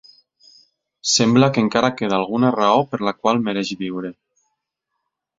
Sembla que encara queda alguna raó per la qual mereix viure.